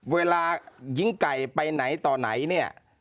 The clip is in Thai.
เวลาหญิงไก่ไปไหนต่อไหนเนี่ย